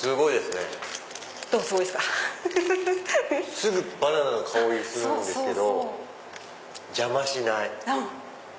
すぐバナナの香りするんですけど邪魔しない。